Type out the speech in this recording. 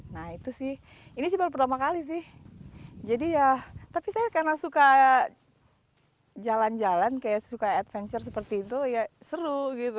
nah itu sih ini baru pertama kali sih tapi saya karena suka jalan jalan suka adventure seperti itu seru